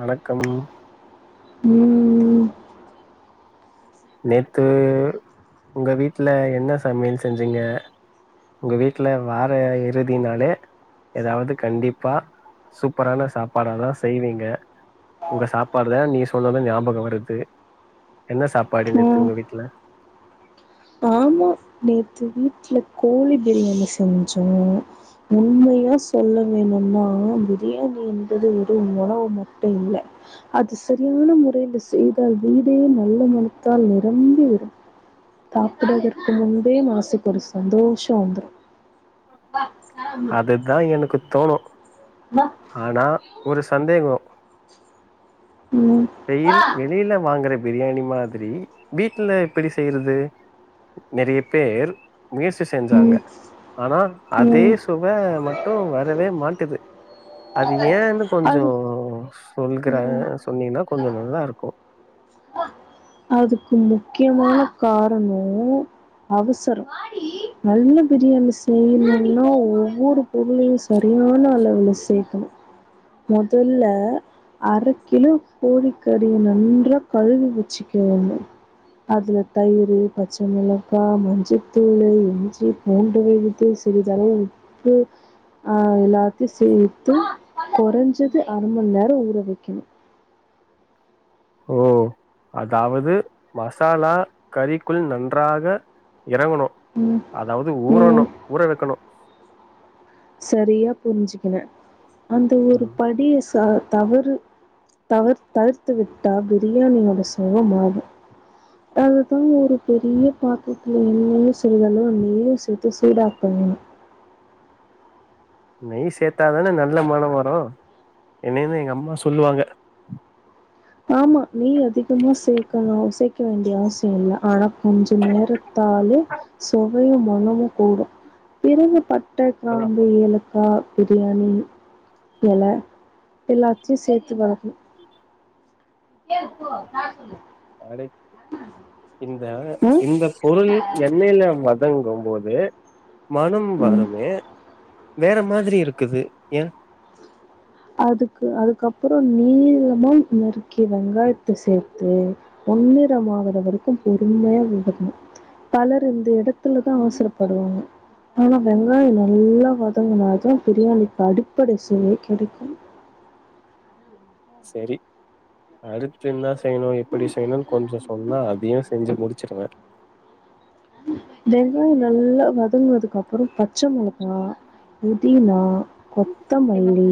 வணக்கம் உம் நேத்து உங்க வீட்ல என்ன சமையல் செஞ்சீங்க உங்க வீட்ல வார இறுதினாலே ஏதாவது கண்டிப்பா சூப்பரான சாப்பாடாதா செய்வீங்க உங்க சாப்பாடுதா நீ சொன்னதும் ஞாபகம் வருது என்ன சாப் பாடி ஆ. நிறுத்துங்க உங்க வீட்ல ஆமா நேத்து வீட்ல கோழி பிரியாணி செஞ்சோம் உண்மையா சொல்ல வேணும்ன்னா பிரியாணி என்பது ஒரு உணவு மட்டும் இல்ல அது சரியான முறைல செய்தால் வீடே நல்ல மணத்தாள் நிறம்பி விடும் ப்புட்றதற்கு முன்பே மனசுக்கு ஒரு சந்தோஷம் வந்துறும் அதுதான் எனக்கு தோணும் ஆனா ஒரு சந்தேகம் ம். வெயில் வெளில வாங்குற பிரியாணி மாதிரி வீட்ல எப்படி செய்யறது நெறைய பேர் முயற்சி செஞ்சாங்க ம். ஆனா அதே ம். சுவ மட்டு வரவே மாட்டுது அது ஏன்னு கொஞ்சோ அது [unintelligible] சொன்னீங்கனா கொஞ்சோ நல்லாருக்கும் அதுக்கு முக்கியமான காரணோ அவசரம் நல்ல பிரியாணி செய்யணும்ன்னா ஒவ்வொரு இதுளயும் சரியான அளவுல சேக்கணும் முதல்ல அர கிலோ கோழிக்கறி நன்றா கழுவி வச்சிக்கேனும் அதுல தயிரு பச்ச மொளகா மஞ்சத்தூளு இஞ்சி பூண்டு விழுது சிறிதளவு உப்பு ஆஹ் எல்லாத்தையும் சேத்து குறைஞ்சது அர மண் நேரம் ஊற வைக்கணும் ஓ அதாவது மசாலா கறிக்குள் நன்றாக இறங்கணும் ம் அதாவது ம் ஊறணும் ஊற வக்கணும் சரியா புரிஞ்சுகுன அந்த ஒரு ம். படிய ச தவறு தவ்று தளிர்த்து விட்டா பிரியாணியோட பதம் சரியாக இருக்கும் அதுதான் ஒரு பெரிய பாத்திரத்துல என்னன்னு சொல்றேனோ எண்ணயும் சேர்த்து சூடாக்க வேணும் நெய் சேர்த்தாதானே நல்ல மனம் வரும் [unintelligible] எங்க அம்மா சொல்லுவாங்க ஆமா நெய் அதிகமா சேர்க்கனு செய் வேண்டிய அவசிய இல்ல ஆனா கொஞ்ச நேரத்தாலே சோ ம் மனமும் கூடும் பிறகு பட்ட பட்ட கிராம்பு ஏலக்கா பிரியாணி எல எல்லாத்தையு சேத்து வதக்கணு [inaudible] அ இந்த ம், இந்த பொருள் எண்ணெய்ல வதங்கும் போது மனம் ம். வாருமே வேற மாதிரி இருக்குது ஏன் அதுக்கு அதுக்கப்புறம் நீளமா நறுக்கிய வெங்காயத்த சேத்து பொன்னிறமா வர வரைக்கு பொறுமையா வருணும் பலர் இந்த இடத்துலதான் அவசரப்படுவாங்க ஆனா வெங்காயொ நல்லா வதங்கனாதா பிரியாணிக்கு அடி இப்படி சுவை கெடைக்கும் செரி அடுத்து என்னா செய்யணு எப்படி செய்யணுன்னு கொஞ்சொ சொன்னா அதையு செஞ்சு முடிச்சிருவேன் வெங்காயொ நல்லா வதங்கனதுக்கு அப்ரொ பச்ச மொளகா புதினா கொத்தமல்லி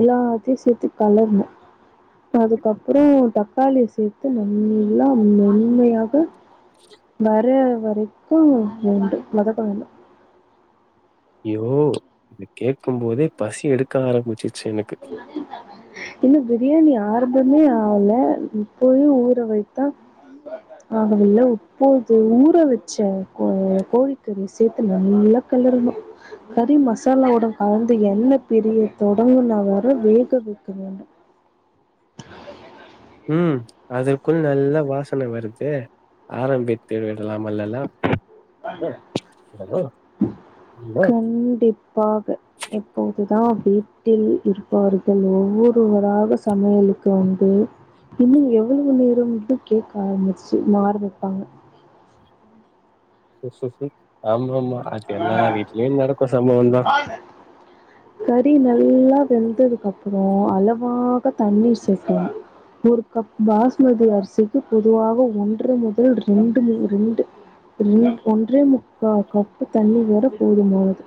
எல்லாத்தையு சேத்து கலர்னொ அதுக்கப்ரொ தக்காளிய சேத்து நல்லா மெண்மையாக வர வரைக்கும் வேண்டும் வதக்க வேண்டும் யோ இத கேக்கும் போதே பசி எடுக்க ஆரம்பிச் அ [unintelligible] இன்னும் பிரியாணி ஆரம்பமே ஆவல இப்பவே ஊற வைத்தா ஆகவில்ல இப்போது ஊற வச்ச கோ கோழிக்கறியா சேத்து நல்லா கலரணும் கறி மசாலாவோட கலந்து எண்ண பிரிய தொடங்கன அப் வர வேக வைக்கணும் உம் அதற்குள் நல்ல வாசன வருதே ஆரம்பித்து விடலாம் அல்லலாம் அ கண்டிப்பாக எப்போ இதான் வீட்டில் இருப்பவர்கள் ஒவ்வொருவராக சமையலுக்கு வந்து இன்னும் எவ்வளவு நேரம் இந்து கேக்க ஆரம்பிச்சு ஆராமிப்பாங்க சு ஆமா ஆமா அது எல்லா வீட்லயு நடக்கு சம்பவந்தா கறி நல்லா வெந்ததுக்கு அப்புறம் அளவாக தண்ணீர் சேக்கனு ஒரு கப் பாஸ்மதி அரிசிக்கு பொதுவாக ஒன்று முதல் ரெண்டு மு ரெண்டு ரெண் ஒன்றே முக்கா கப்பு தண்ணி வற போதுமானது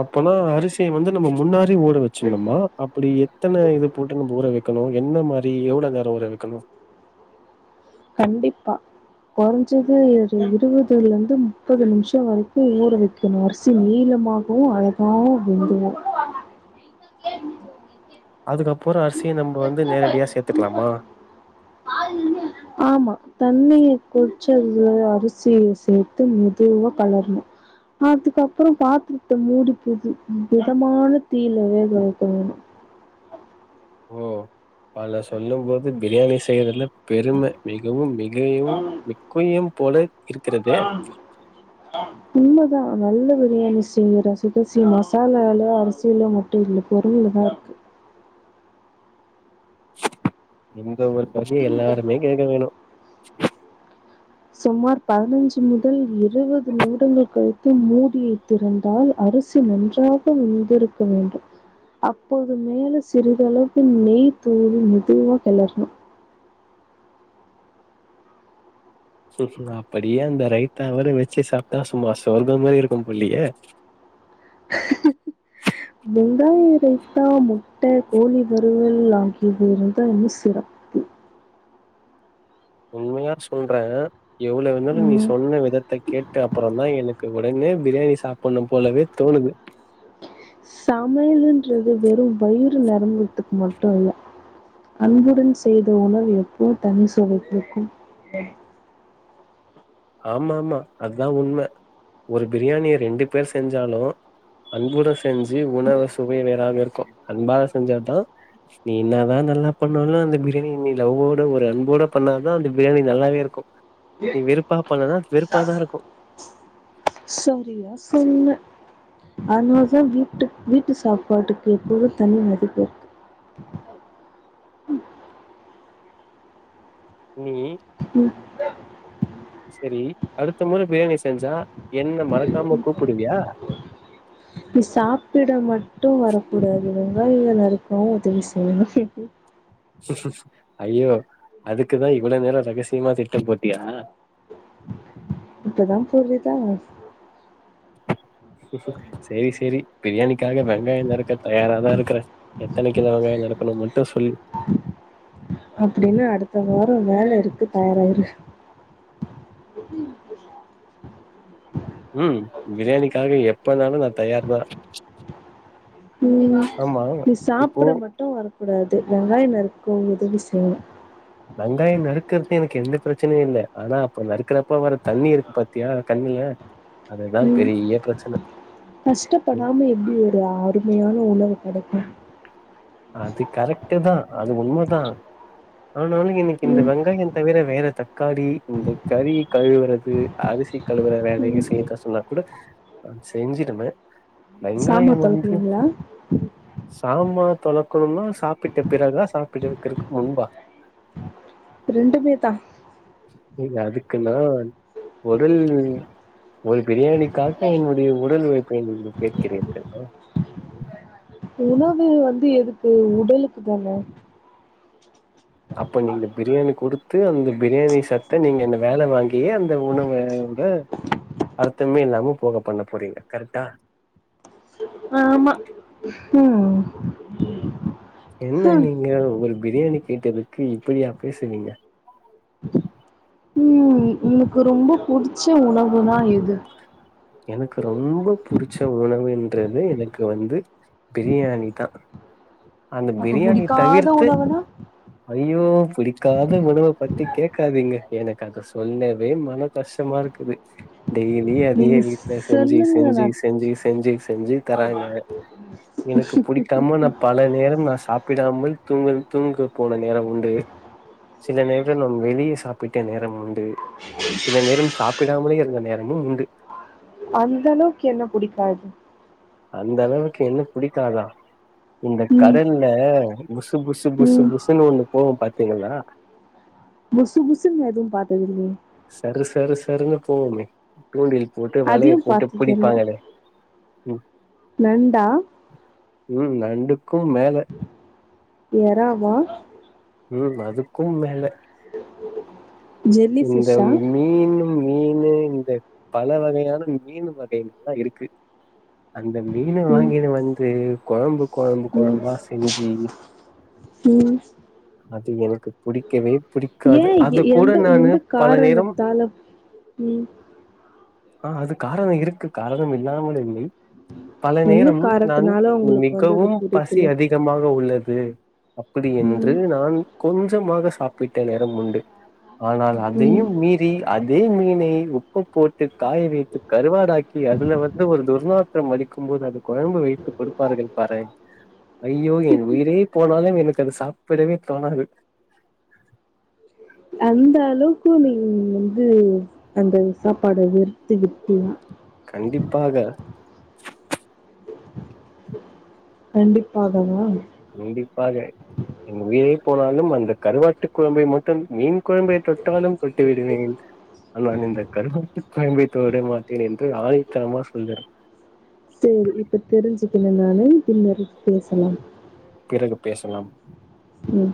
அப்பனா அரிசியா வந்து நம்ம முன்னாடி ஊற வச்சுனம்மா அப்படி எத்தன இது போட்டு நம்ப ஊற வெக் வெக்கணு என்ன மாரி எவளோ நேரொ ஊற வெக்கணும் கண்டிப்பா கொறஞ்சது இரு இருவதுலருந்து முப்பது நிமிஷோ வரைக்கும் ஊற வைக்கணும் அரிசி நீளமாகவும் அழகாவு வெங்குவோம் அதுக்கப்புறம் அரிசிய நம்ப வந்து நேரடியா சேத்துக்கலாமா ஆமா தண்ணி கொ [unintelligible] அரிசிய சேத்து மெதுவா களர்னோ அதுக்கப்புறோ பாத்திரத்த மூடிப்போட்னு ம் மிதமான தீயில வேக வெக்கணும் ஓ பள சொல்லும் போது பிரியாணி செய்யறதுல பெரும மிகவும் மிகையும் மிக்கயும் போல இருக்கறது உண்மதா நல்ல பிரியாணி செய்ய ரசிகசியோ மசாலால அரிசியில மட்டும் இல்ல பொருள்லதா இருக்கு இம் இந்த ஒரு பசிய எல்லாருமே கேக்க வேணு சுமார் பதினஞ்சு முதல் இருவது நிமிடங்கள் கழித்து மூடியை திறந்தால் அரிசி நன்றாக வெந்திருக்க வேண்டும் அப்போது மேல சிறிதளவு நெய் தூவி மெதுவா கெளற்னு அப்டியே அந்த ரைத்தாவோட வெச்சி சாப்டா சும்மா சொர்கமா இருக்கும் போலியே வெங்காய ரைத்தா முட்ட கோழி வருவல் ஆகியது இருந்தா இன்னு சிறப்பு உண்மையா சொல்றே இவ்ளவு நேரோ நீ உம் சொன்ன விதத்த கேட்டு அப்றோ தா எனக்கு ஒடனே பிரியாணி சாப்புன்ணு போலவே தோணுது சமையலின்றது வெறும் வயிறு நெரம்பற்துக்கு மட்டு இல்ல அன்புடன் செய்த உணவு எப்போது தனி சுவை குடுக்கும் ஆமா ஆமா அத்தா உண்ம ஒரு பிரியாணிய ரெண்டு பேர் செஞ்சாலு அன்புட செஞ்சி உணவ சுவை வேறாம இருக்க கோ அன்பா செஞ்சா தா நீ என்னதா நல்லா பண்ணாலு அந்த பிரியாணி நீ லவ்வோட ஒரு அன்போட பண்ணா தா அந்த பிரியாணி நல்லாவேருக்கு நீ விருப் சரியா சொன்ன அதனால தா வீட்டு வீட்டு சாப்பாட்டுக்கு எப்போது தனி மதிப்பு நீ சேரி அடுத்த மொர பிரியாணி செஞ்சா என்ன மறக்காம கூப்புடுவியா மட்டு வரக்கூடாது வெங்காயோலா நறுக்கவு உதவி செய்யனு ஐயோ அதுக்குதா இவ்ளோ நேரோ ரகசியமா திட்டோ போட்டியா இப்பதா புரியுதா சேரி சேரி பிரியாணிக்காக வெங்காயோ நறுக்க தயாரா தா இருக்குறே எத்தனக்கிலோ வெங்காயோ நறுக்கனு மட்டோ சொல்லு அப்டின்னு அடுத்த வாரோ வேல இருக்கு தயாராயிரு உம் பிரியாணிக்காக எப்பனாலு நா தயார் நா உம் நீ இப்போ சாப்ட மட்டு வரக்கூடாது வெங்காயோ நறுக் கோ உதவி செய்யணு வெங்காயோ நறுக்கறதே எனக்கு என்ன பிரச்சனையு இல்ல ஆனா அப்ப நறுக்கறப்ப வர தண்ணி இருக்கு பாத்தியா கண்ணுல அதுதா உம் பெரிய பிரச்சன கஷ்டப்படாம எப்டி ஒரு அருமையான உணவு கெடைக்கும் அது கரெக்ட்டு தா அது உண்ம தா ஆனாலு எனக்கு இந்த ம் வெங்காயோ தவிர வேற தக் க்காளி இந்த கறி கழுவறது அரிசி கலுவுற வேலையே செய்ய கஷ்டன்தா கூட செஞ்சிடுமே சாமா வெங்காயோ வந்து தொலக்குவீங்களா சாம்பார் தொலக்குனுனா சாப்பிட்ட பிறகா சாப்பிடுவதற்கு முன்பா ரெண்டுமே தா புரில்ல அதுக்குன்னா உரல் ஒய் பிரியாணிக்காக என்னுடைய உடல் உழைப்பை நீங்கள் கேட்கிறீர்கள் உணவு வந்து எதுக்கு உடலுக்கு தானே அப்ப நீங்க பிரியாணி கொடுத் து அந்த பிரியாணி சத்த நீங்க என்ன வேலை வாங்கி ஏ அந்த உணவுோட அர்த்தமே இல்லாம போக பண்ண போறீங்க கரெக்டா ஆஹமா உம் என்ன நீங்க ஒரு பிரியாணி கேட்டதுக்கு இப்படியா பேசுவீங்க உம் உனக்கு ரொம்ப பிடிச்ச உணவு தான் எனக்கு ரொம்ப புடிச் ச்ச உணவுன்றது எனக்கு வந்து பிரியாணி தா அந்த அப்ப பிரியாணி புடிக்காத தவிர்த்து உணவுனா ஐயோ பிடிக்காத உணுவ பத் த்தி கேக்காதீங்க எனக்கு அதை சொல்லவே மன கஷ்டமா இருக்குது டெய்லியே அதையே நீங்க வீட்டுல செஞ்சு செஞ்சு சொல்லுங்கண்ணா செஞ்சு செஞ்சு செஞ்சு தராங்க எனக்கு புடிக்காம நா பல நேரம் நா சாப்பிடாமல் தூங்க தூங்க போன நேரம் உண்டு சில நேர நம் வெளியே சாப்பிட் [unintelligible] நேரம் சில நேரம் சாப்பிடாமலே இருந்த நேரம் அந்த அளவுக்கு என்ன புடிக்காது அந்த அளவுக்கு என்ன புடிக்காதா இந்த ம் கடல்ல புசு புசு புசு ம் புசுன்னு ஒண்ணு போவு பாத் திங்கள்ளா புசுபுசுன்னு எது பாத்தத்திலையே சர சரன்ன போவுமே தூண்டில் போட்டு வலைய அதையு போட்டு பாத்தது இல்ல பிடிப்பாங்களே ம் நண்டா ம் நண்டுக்கும் மேல எறாவா ம் அதுக்கும் மேல [inaudible] ஜெல்லி இந்த ஃபிஷ்ஷா மீனு மீனு இந்த பல வகையான மீனு வகைகள்லா இருக்கு அந்த மீன ம் வாங்கியது வந்து கொழம்பு கொழம்பு ம் கொழம்பா செஞ்சு ம் அது எனக்கு புடிக்கவே ஏ புடிக்காது அத கூட எ-எந்த நானு எந்த பல நேரம் காரணத்தால ம் ஆ அது காரணோ இருக்கு காரணம் இல்லாமல் இல்லை பல என்ன நேரம் நான் காரணத்தினால உங்களுக்கு வந்து அது மிகவும் பசி பிடிக்கல? அதிகமாக உள்ளது து அப்படி என் ம், [unintelligible] நான் கொஞ் ஞ்சமாக சாப்பிட்ட நேரம் உண்டு ஆனால் ம். அதையும் மீறி அத இதே மீனை உப்பு போட்டு காய வைத்து கருவாடாக்கி அதுல வந்து ஒரு துர்நாற்றமடிக்கும் போது அது கொழம்பு வைத்து கொடுப்பார்கள் பாரே ஐயோ என் உயிரே போனாலு ப்ப எனக்கு அது சாப் புரவே தோணாது அந்த அளவுக்கு நீ வந்து அந்த சாப்பாட வெறுத்துவிட் [unintelligible] கண்டிப்பாக, கண்டிப்பாகவா கண்டிப்பாக என் உயிரே போனாலும் அந்த கருவாட்டு குழம்பை மட்டும் மீன் குழம்பை தொட்டாலும் தொட்டுவிடுவேன் ஆனால் இந்த கருவாட்டு குழம்பை தொட மாட்டேன் என்று ஆனித்தனமா சொல்லுறே சேரி இப்ப தெரிஞ்சுக்குண நானு பின்னர் பேசலாம் பிறகு பேசலாம் ம்